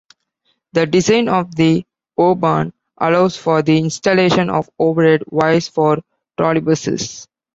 The design of the O-Bahn allows for the installation of overhead wires for trolleybuses.